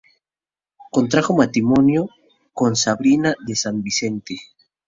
Contrajo matrimonio con Sabrina de San Vicente.